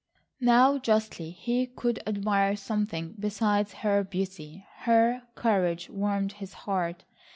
Now justly he could admire something besides her beauty. Her courage warmed his heart.